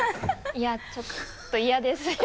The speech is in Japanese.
いやちょっと嫌ですね